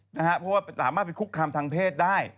เพราะว่าสามารถไปคุกคามทางเพศได้